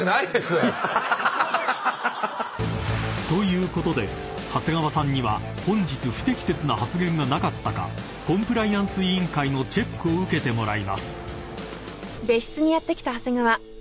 ［ということで長谷川さんには本日不適切な発言がなかったかコンプライアンス委員会のチェックを受けてもらいます］